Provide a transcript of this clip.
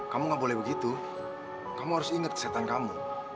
kamu gak boleh begitu kamu harus inget kesetan kamu